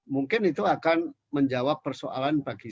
mungkin itu akan menjawab persoalan bagi